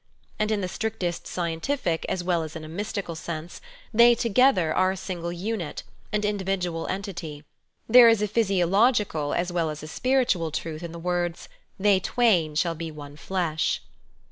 And in the strictest scientific, as well as in a mystical, sense they together are a single unit, an individual entity. There is a physiological as well as a spiritual truth in the words " they twain shall be one flesh."